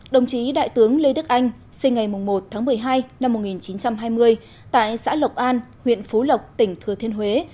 đồng chí đại tướng lê đức anh sinh ngày một tháng một mươi hai năm một nghìn chín trăm hai mươi tại xã lộc an huyện phú lộc tỉnh thừa thiên huế